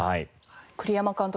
栗山監督